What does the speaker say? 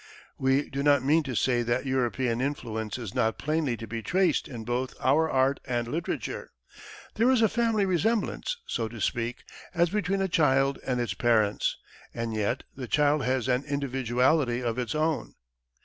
We do not mean to say that European influence is not plainly to be traced in both our art and literature. There is a family resemblance, so to speak, as between a child and its parents, and yet the child has an individuality of its own.